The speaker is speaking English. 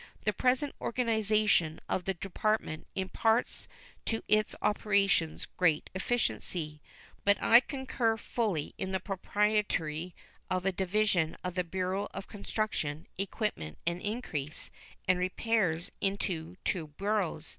The present organization of the Department imparts to its operations great efficiency, but I concur fully in the propriety of a division of the Bureau of Construction, Equipment, Increase, and Repairs into two bureaus.